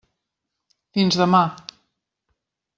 Fins demà!